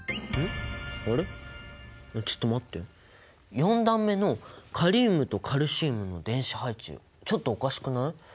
４段目のカリウムとカルシウムの電子配置ちょっとおかしくない？